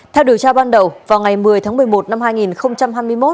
theo điều tra ban đầu vào ngày một mươi tháng một mươi một năm hai nghìn hai mươi một